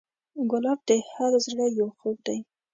ګلاب د هر زړه یو خوب دی.